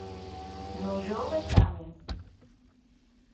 Noyowetami.